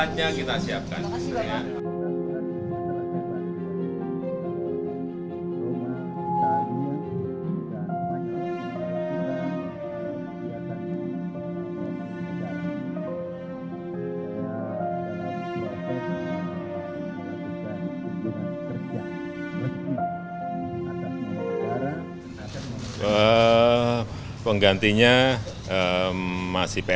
nanti pun arahannya pak